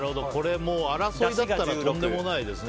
争いだったらとんでもないですね。